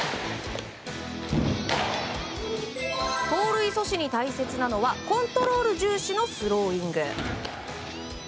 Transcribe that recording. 盗塁阻止に大切なのはコントロール重視のスローイング。